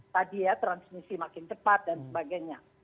tadi ya transmisi makin cepat dan sebagainya